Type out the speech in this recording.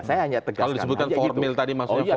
saya hanya tegaskan kalau disebutkan formil tadi maksudnya